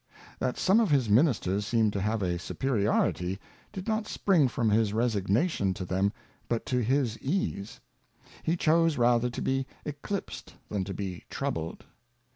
That some of his Ministers seemed to have a Superiority, did not spring from his Resignation to them, but to his Ease. He chose rather to be eclipsed than to be troubled.